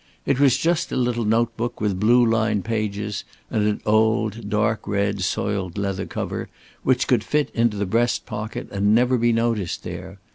It was just a little note book with blue lined pages and an old dark red soiled leather cover which could fit into the breast pocket and never be noticed there.